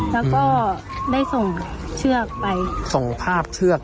แล้วก็ได้ส่งเชือกไปส่งภาพเชือก